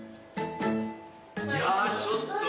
いやちょっと。